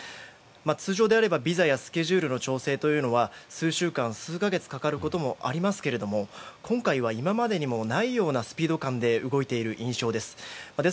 通常ならビザやスケジュールの調整は数週間、数か月かかることもありますが今回は今までにないようなスピード感で動いている印象です。